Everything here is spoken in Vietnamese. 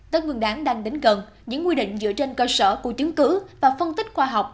tân nguyên đáng đang đến gần những quy định dựa trên cơ sở của chứng cứ và phân tích khoa học